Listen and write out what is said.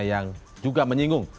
yang juga menyinggung